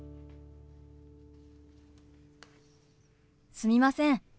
すみません。